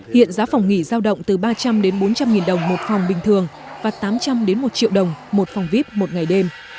hiện giá phòng nghỉ giao động từ ba trăm linh bốn trăm linh nghìn đồng một phòng bình thường và tám trăm linh một triệu đồng một phòng vip một ngày đêm